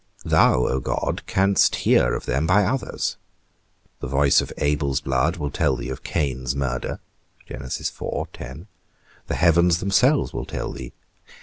Thou, O God, canst hear of them by others: the voice of Abel's blood will tell thee of Cain's murder; the heavens themselves will tell thee.